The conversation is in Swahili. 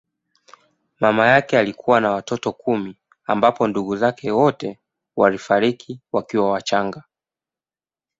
Mama yake alikuwa na watoto kumi ambapo ndugu zake wote walifariki wakiwa wachanga.